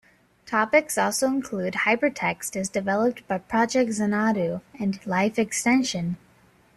Topics also include hypertext as developed by Project Xanadu and life extension.